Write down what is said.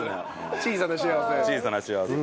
小さな幸せ。